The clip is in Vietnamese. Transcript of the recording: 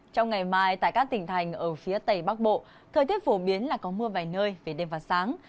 trong ngày mai tại các tỉnh thành ở phía tây bắc bộ thời tiết phổ biến là có mưa vài nơi về đêm và sáng